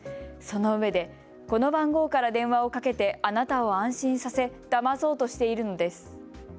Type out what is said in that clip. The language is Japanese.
そのうえで、この番号から電話をかけてあなたを安心させ、だまそうとしているのです。